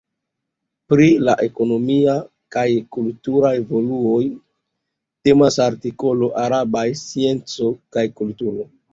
Pri la ekonomia kaj kultura evoluoj temas artikolo arabaj scienco kaj kulturo.